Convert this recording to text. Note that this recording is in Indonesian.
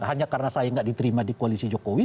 hanya karena saya tidak diterima di koalisi jokowi